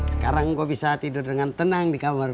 sekarang engkau bisa tidur dengan tenang di kamar